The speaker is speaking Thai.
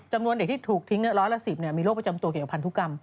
เด็กที่ถูกทิ้งร้อยละ๑๐มีโรคประจำตัวเกี่ยวกับพันธุกรรม